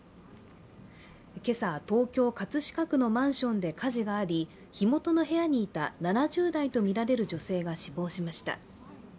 今朝、東京・葛飾区のマンションで火事があり、火元の部屋にいた７０代とみられる女性が死亡しました。